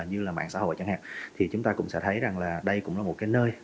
như là mạng xã hội chẳng hạn thì chúng ta cũng sẽ thấy rằng đây cũng là một nơi